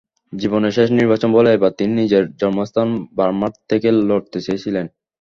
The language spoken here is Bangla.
জীবনের শেষ নির্বাচন বলে এবার তিনি নিজের জন্মস্থান বারমার থেকে লড়তে চেয়েছিলেন।